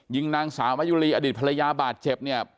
ยิงนางสาวมะยุรีอดีตภรรยาบาดเจ็บเนี่ย